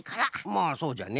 まあそうじゃね。